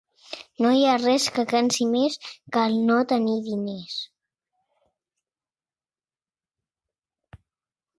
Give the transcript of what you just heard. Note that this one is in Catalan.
No hi ha res que cansi més que el no tenir diners.